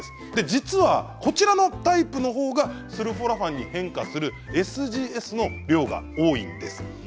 実は、こちらのタイプのほうがスルフォラファンに変化するＳＧＳの量が多いんです。